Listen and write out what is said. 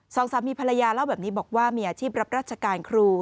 สองสามีภรรยาเล่าแบบนี้บอกว่ามีอาชีพรับราชการครู